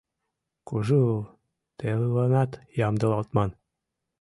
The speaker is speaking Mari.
Кужу телыланат ямдылалтман».